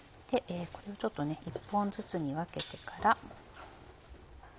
これをちょっと１本ずつに分けてから。